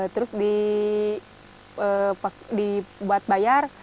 terus dibuat bayar